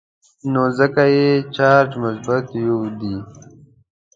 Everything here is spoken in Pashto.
نو ځکه یې چارج مثبت یو دی.